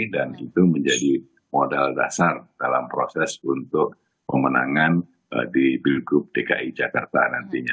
dan itu menjadi modal dasar dalam proses untuk pemenangan di bill group dki jakarta nantinya